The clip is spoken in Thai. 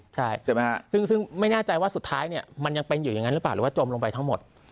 ใช่ไหมฮะซึ่งไม่แน่ใจว่าสุดท้ายเนี่ยมันยังเป็นอยู่อย่างนั้นหรือเปล่าหรือว่าจมลงไปทั้งหมด